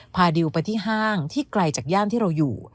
ดิวไปที่ห้างที่ไกลจากย่านที่เราอยู่